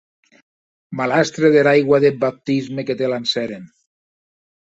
Malastre dera aigua deth baptisme que te lancèren!